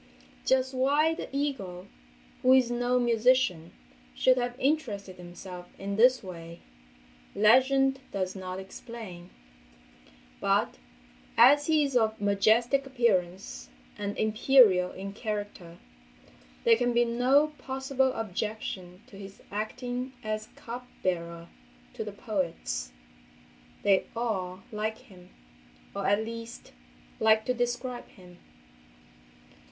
Just why the eagle—who is no musician—should have interested himself in this way, legend does not explain, but, as he is of majestic appearance, and imperial in character, there can be no possible objection to his acting as cup bearer to the poets! They all like him—or, at least, like to describe him.